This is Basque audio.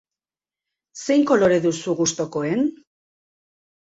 Zein kolore duzu gustukoen?